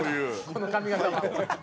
この髪形は。